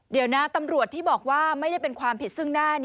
เดี๋ยวนะตำรวจที่บอกว่าไม่ได้เป็นความผิดซึ่งหน้า